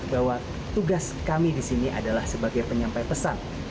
bahwa tugas kami di sini adalah sebagai penyampai pesan